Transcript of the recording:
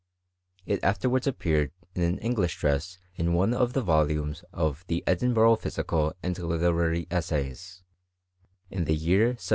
It afterwaidl ' appeared in an English dress in one of the volumes of The Edinburgh Physical and Literary Essays, in ibBf year 1755.